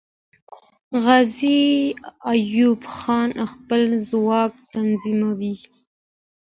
غازي ایوب خان خپل ځواک تنظیموي.